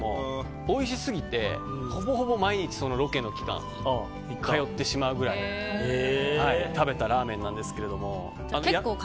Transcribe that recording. おいしすぎてほぼほぼ毎日ロケの期間通ってしまうぐらい食べたラーメンなんですけど。